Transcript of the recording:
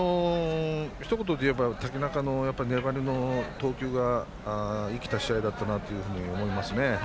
ひと言で言えば瀧中の粘りの投球が生きた試合だったですね。